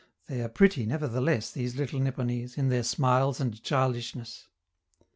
They are pretty, nevertheless, these little Nipponese, in their smiles and childishness.